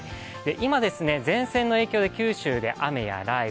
今、前線の影響で九州で雨や雷雨。